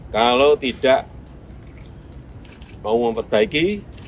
kalau tidak mau memperbaiki